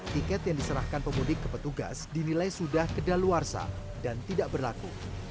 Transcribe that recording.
tiket yang diserahkan pemudik ke petugas dinilai sudah kedaluarsa dan tidak berlaku